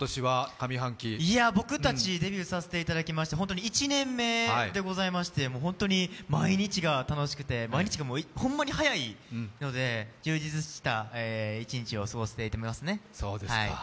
僕たちデビューさせていただきまして、１年目でございまして、もうホントに毎日が楽しくて、毎日がほんまに早いので、充実した一日を過ごせてますね。